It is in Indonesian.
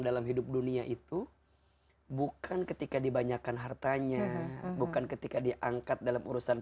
dalam hidup dunia itu bukan ketika dibanyakan hartanya bukan ketika diangkat dalam urusan